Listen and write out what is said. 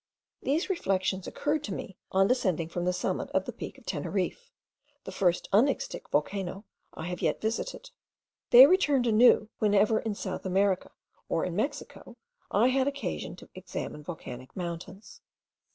These reflections occurred to me on descending from the summit of the peak of Teneriffe, the first unextinct volcano I had yet visited. They returned anew whenever, in South America, or in Mexico, I had occasion to examine volcanic mountains.